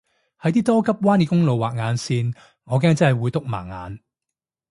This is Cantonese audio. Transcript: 喺啲多急彎嘅公路畫眼線我驚真係會篤盲眼